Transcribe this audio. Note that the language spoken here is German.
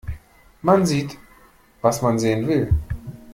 Man sieht, was man sehen will.